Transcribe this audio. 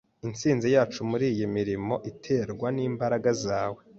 Intsinzi yacu muriyi mirimo iterwa nimbaraga zawe.